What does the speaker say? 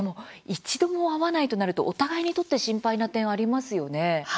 一度も会わないとなるとお互いにとって心配な点ありますよね。